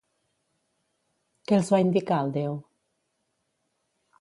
Què els va indicar el déu?